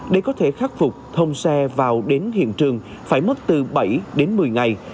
để có thể khắc phục thông xe vào đến hiện trường phải mất từ bảy đến một mươi ngày